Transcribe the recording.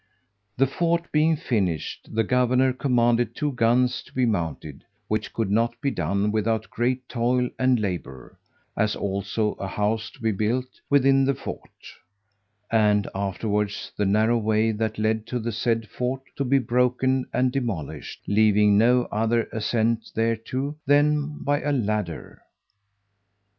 The fort being finished, the governor commanded two guns to be mounted, which could not be done without great toil and labour; as also a house to be built within the fort, and afterwards the narrow way, that led to the said fort, to be broken and demolished, leaving no other ascent thereto than by a ladder.